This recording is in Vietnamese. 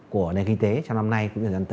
của nền kinh tế trong năm nay